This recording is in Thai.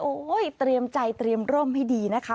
เตรียมใจเตรียมร่มให้ดีนะคะ